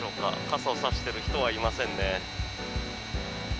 傘を差している人はいませんね。